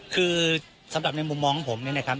คือสำหรับในมุมมองของผมเนี่ยนะครับ